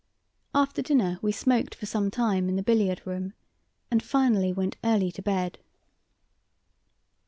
After dinner we smoked for some time in the billiard room, and finally went early to bed.